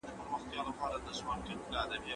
لوبه د دواړو ټیمونو ترمنځ مساوي پای ته ورسېده.